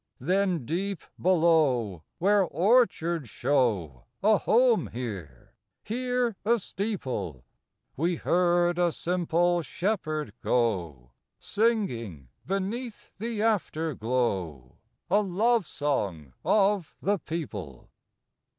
Then deep below, where orchards show A home here, here a steeple, We heard a simple shepherd go, Singing, beneath the afterglow, A love song of the people.